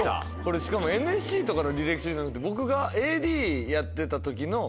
しかもＮＳＣの履歴書じゃなくて僕がＡＤやってた時の。